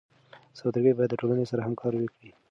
سوداګر باید د ټولنې سره همکاري وکړي.